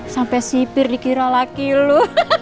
sampai sipir dikira laki lu